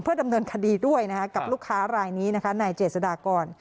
ดำเนินคดีด้วยนะคะกับลูกค้ารายนี้นะคะนายเจษฎากร